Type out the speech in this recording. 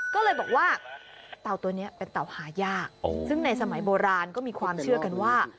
ก็เลยบอกว่าเต่าตัวนี้เป็นเต่าหายากซึ่งในสมัยโบราณก็มีความเชื่อกันว่า